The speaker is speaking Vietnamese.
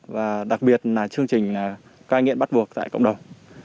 và đặc biệt là chương trình cai nghiện bắt buộc tại cộng đồng